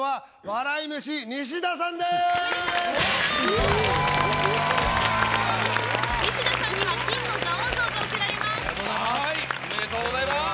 おめでとうございます。